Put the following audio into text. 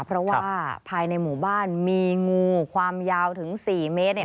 เพราะว่าภายในหมู่บ้านมีงูความยาวถึง๔เมตรเนี่ย